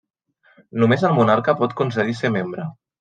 Només el monarca pot concedir ser membre.